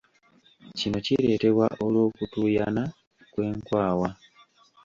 Kino kireetebwa olw'okutuuyana kw'enkwawa.